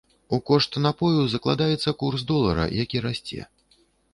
У кошт напою закладаецца курс долара, які расце.